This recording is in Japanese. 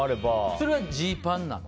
それはジーパンなの？